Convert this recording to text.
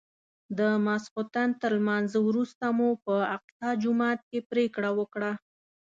د ماسختن تر لمانځه وروسته مو په اقصی جومات کې پرېکړه وکړه.